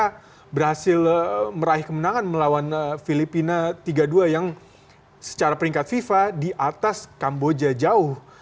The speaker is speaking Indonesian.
mereka berhasil meraih kemenangan melawan filipina tiga dua yang secara peringkat fifa di atas kamboja jauh